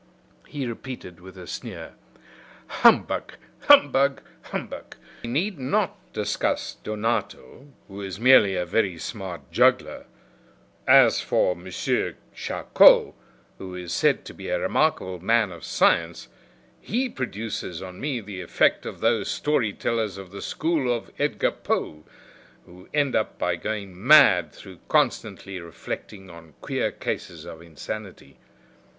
He repeated with a sneer: "Humbug! humbug! humbug! We need not discuss Donato, who is merely a very smart juggler. As for M. Charcot, who is said to be a remarkable man of science, he produces on me the effect of those story tellers of the school of Edgar Poe, who end by going mad through constantly reflecting on queer cases of insanity.